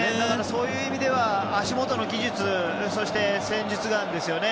そういう意味では足元の技術そして、戦術眼ですよね。